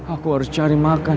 aku harus cari makan